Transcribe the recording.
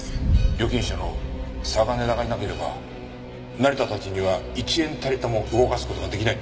預金者の嵯峨根田がいなければ成田たちには１円たりとも動かす事が出来ないって事ですね？